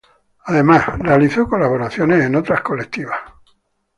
Además realizó colaboraciones en obras colectivas.